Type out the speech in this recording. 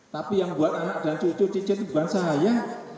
tapi yang buat anak dan cucu dicet bukan saya